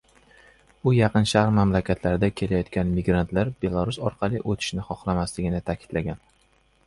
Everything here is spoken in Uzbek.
U Yaqin Sharq mamlakatlaridan kelayotgan migrantlar Belarus orqali o‘tishini xohlamasligini ta’kidlagan